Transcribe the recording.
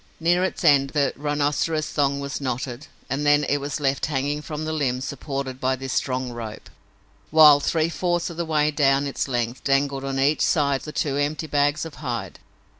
Near its end the rhinoceros thong was knotted and then it was left hanging from the limb supported by this strong rope, while, three fourths of the way down its length, dangled on each side the two empty bags of hide.